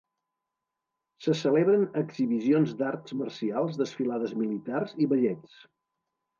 Se celebren exhibicions d'arts marcials, desfilades militars i ballets.